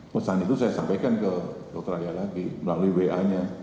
pesan itu saya sampaikan ke dokter ayah lagi melalui wa nya